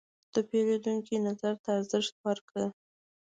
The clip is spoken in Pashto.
د پیرودونکي نظر ته ارزښت ورکړه.